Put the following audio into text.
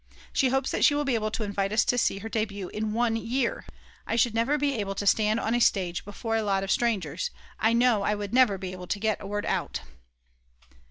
She hopes that she will be able to invite us to see her debut in one year!!! I should never be able to stand on a stage before a lot of strangers, I know I would never be able to get a word out.